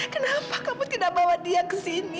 kenapa kamu tidak bawa dia ke sini